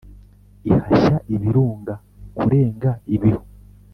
ihashya ibirunga kurenga ibihu